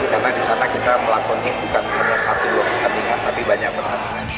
karena di sana kita melakon ini bukan hanya satu luk tapi banyak berat